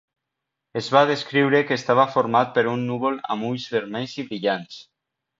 Es va descriure que estava format per un núvol amb ulls vermells i brillants.